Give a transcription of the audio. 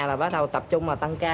là bắt đầu tập trung tăng ca